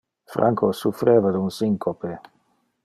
Franco suffreva un syncope.